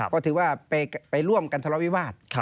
ก็ถือว่าไปร่วมกันทะเลาวิวาส